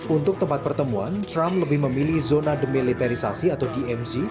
untuk tempat pertemuan trump lebih memilih zona demilitarisasi atau dmz